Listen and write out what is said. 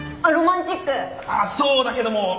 あそうだけども。